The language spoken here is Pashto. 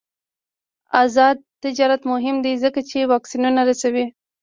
آزاد تجارت مهم دی ځکه چې واکسینونه رسوي.